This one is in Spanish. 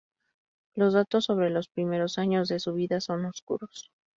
Los datos sobre los primeros años de su vida son oscuros.